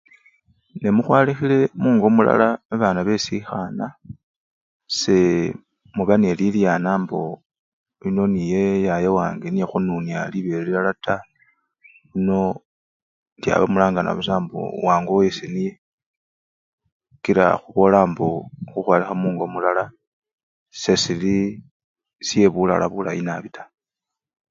Nemukhwalikhile mungo mulala babana besikhana, see! muba neliryana mboo yuno niye yayawange niye khwanuna libele lilala taa nono ndyaba mulangana busa mbo wangoyase niye kila khubola mbu khukhwalikha mungo mulala sesili syebulala bulayi nabii taa.